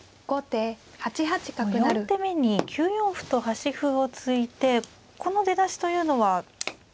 ４手目に９四歩と端歩を突いてこの出だしというのは。